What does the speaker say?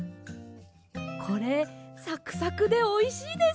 これサクサクでおいしいです。